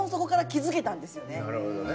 なるほどね。